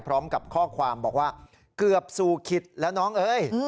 พร้อมกับข้อความบอกว่าเกือบสู่ขิตแล้วน้องเอ้ย